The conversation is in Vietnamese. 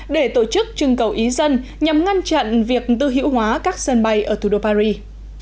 để tổ chức trưng cầu ý dân nhằm ngăn chặn việc tư hữu hóa các sân bay ở thủ đô paris